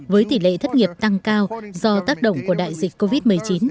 với tỷ lệ thất nghiệp tăng cao do tác động của đại dịch covid một mươi chín